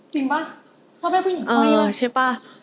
จริงป่ะชอบให้ผู้หญิงมาจีบ